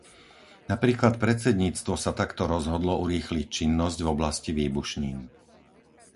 Napríklad predsedníctvo sa takto rozhodlo urýchliť činnosť v oblasti výbušnín.